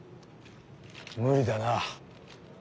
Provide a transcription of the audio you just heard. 無理だな。